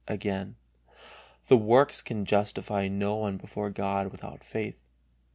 Again, the works can justify no one before God without faith.